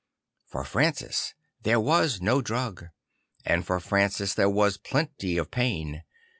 For Francis there was no drug; and for Francis there was plenty of pain.